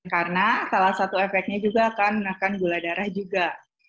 karena salah satu efeknya juga akan menakan gula darah juga